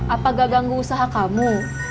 apakah ganggu usaha kamu